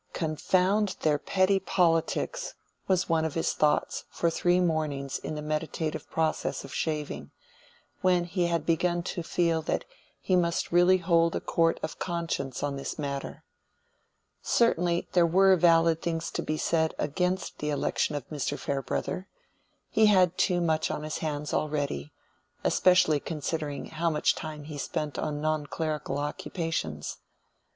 "Confound their petty politics!" was one of his thoughts for three mornings in the meditative process of shaving, when he had begun to feel that he must really hold a court of conscience on this matter. Certainly there were valid things to be said against the election of Mr. Farebrother: he had too much on his hands already, especially considering how much time he spent on non clerical occupations.